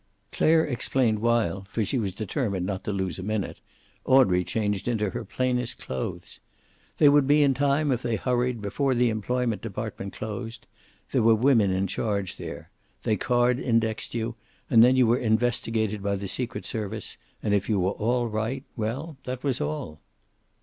Clare explained while, for she was determined not to lose a minute, Audrey changed into her plainest clothes. They would be in time, if they hurried, before the employment department closed. There were women in charge there. They card indexed you, and then you were investigated by the secret service and if you were all right, well, that was all.